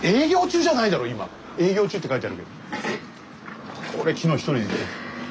営業中って書いてあるけど。